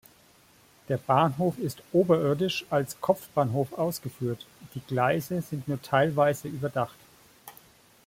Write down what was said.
Der Bahnhof ist oberirdisch als Kopfbahnhof ausgeführt, die Gleise sind nur teilweise überdacht.